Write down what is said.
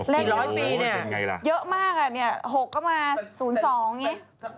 เลขยี่โรยะปีเนี่ยเยอะมากนี่๐๖ก็มา๐๒นี่